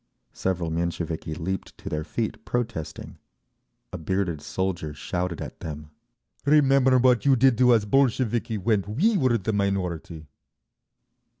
Several Mensheviki leaped to their feet protesting. A bearded soldier shouted at them, "Remember what you did to us Bolsheviki when we were the minority!"